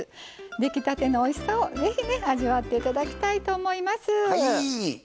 出来たてのおいしさを是非ね味わって頂きたいと思います。